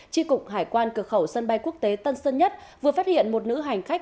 tri cục hải quan cửa khẩu sân bay quốc tế tân sơn nhất vừa phát hiện một nữ hành khách